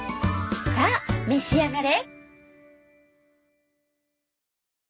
さあ召し上がれ！